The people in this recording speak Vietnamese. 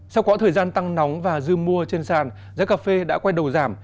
sau quãng thời gian tăng nóng và dư mua trên sàn giá cà phê đã quay đầu giảm